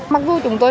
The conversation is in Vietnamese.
mặc dù chúng tôi